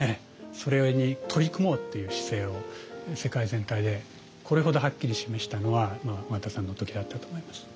それに取り組もうっていう姿勢を世界全体でこれほどはっきり示したのは緒方さんの時だったと思います。